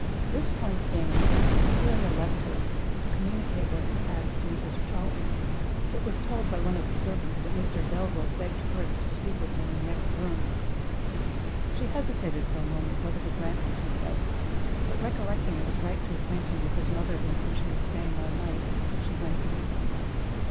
This point gained, Cecilia left her, to communicate what had passed to Mrs Charlton; but was told by one of the servants that Mr Delvile begged first to speak with her in the next room. She hesitated for a moment whether to grant this request; but recollecting it was right to acquaint him with his mother's intention of staying all night, she went to him.